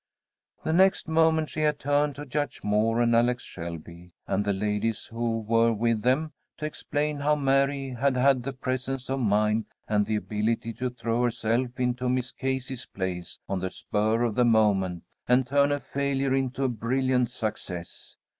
The next moment she had turned to Judge Moore and Alex Shelby and the ladies who were with them, to explain how Mary had had the presence of mind and the ability to throw herself into Miss Casey's place on the spur of the moment, and turn a failure into a brilliant success.